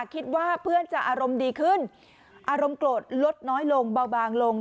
คิดว่าเพื่อนจะอารมณ์ดีขึ้นอารมณ์โกรธลดน้อยลงเบาบางลง